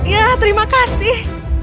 ya terima kasih